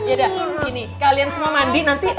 ya udah gini kalian semua mandi nanti